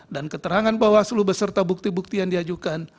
dan keterangan bahwa seluruh beserta bukti bukti yang diajukan